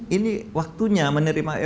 ini waktunya menerima ruhip